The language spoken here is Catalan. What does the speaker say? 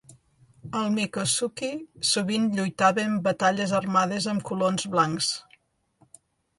El Miccosukee sovint lluitava amb batalles armades amb colons blancs.